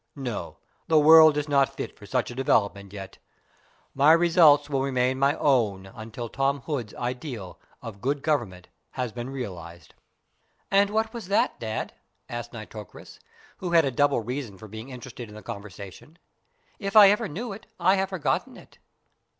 No, the world is not fit for such a development yet. My results will remain my own until Tom Hood's ideal of good government has been realised." "And what was that, Dad?" asked Nitocris, who had a double reason for being interested in the conversation. "If I ever knew it, I have forgotten it."